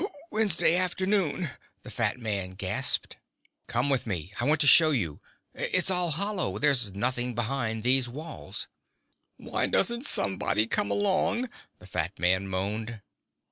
"Wednesday afternoon," the fat man gasped. "Come with me. I want to show you. It's all hollow. There's nothing behind these walls " "Why doesn't somebody come along?" the fat man moaned.